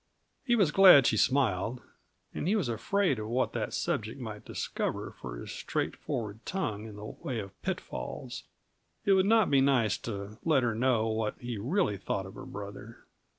He was glad she smiled, and he was afraid of what that subject might discover for his straightforward tongue in the way of pitfalls. It would not be nice to let her know what he really thought of her brother.